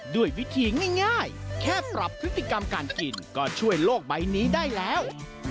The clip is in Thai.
ด้วยวิธีง่ายแค่ปรับพฤติกรรมการกินก็ช่วยโลกใบนี้ได้แล้ว